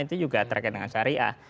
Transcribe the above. itu juga terkait dengan syariah